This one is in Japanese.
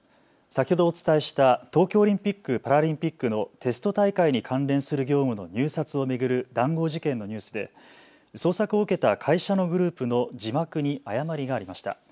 先ほどお伝えした東京オリンピック・パラリンピックのテスト大会に関連する業務の入札を巡る談合事件のニュースで、捜索を受けた会社のグループの字幕に誤りがありました。